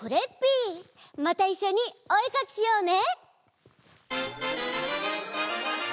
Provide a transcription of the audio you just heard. またいっしょにおえかきしようね！